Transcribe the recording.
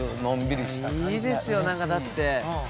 いいですよ何かだって。